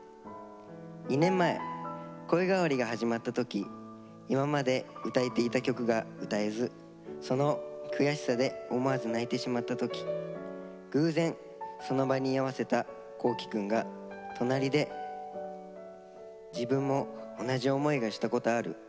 ２年前声変わりが始まった時今まで歌えていた曲が歌えずその悔しさで思わず泣いてしまった時偶然その場に居合わせた皇輝くんが隣で『自分も同じ思いがしたことある。